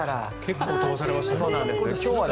結構飛ばされましたね。